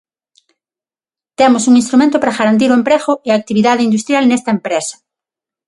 Temos un instrumento para garantir o emprego e a actividade industrial nesta empresa.